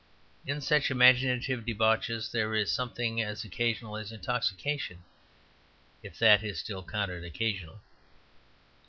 In such imaginative debauches there is something as occasional as intoxication; if that is still counted occasional.